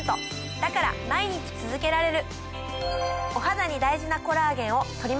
だから毎日続けられる。